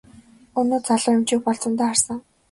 Өнөө залуу эмчийг бол зөндөө харсан.